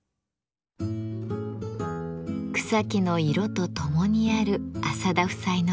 草木の色とともにある浅田夫妻の暮らし。